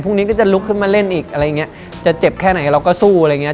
นี้ก็จะลุกขึ้นมาเล่นอีกอะไรอย่างเงี้ยจะเจ็บแค่ไหนเราก็สู้อะไรอย่างเงี้